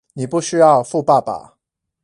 你不需要富爸爸